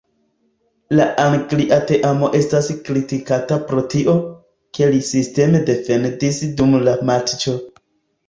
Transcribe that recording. La Anglia teamo estas kritikata pro tio, ke li sisteme defendis dum la matĉo.